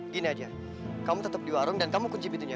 gini aja kamu tetap di warung dan kamu kunci pintunya